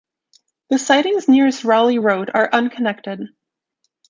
The sidings nearest Rowley Road are unconnected.